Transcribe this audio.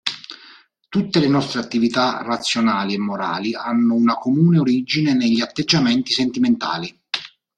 Tutte le nostre attività razionali e morali hanno una comune origine negli atteggiamenti sentimentali.